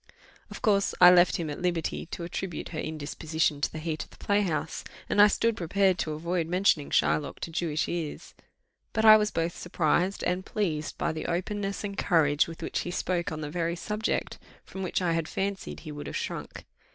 Of course, I left him at liberty to attribute her indisposition to the heat of the playhouse, and I stood prepared to avoid mentioning Shylock to Jewish ears; but I was both surprised and pleased by the openness and courage with which he spoke on the very subject from which I had fancied he would have shrunk.